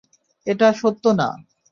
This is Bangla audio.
এটা সত্য না।